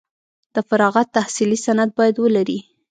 د فراغت تحصیلي سند باید ولري.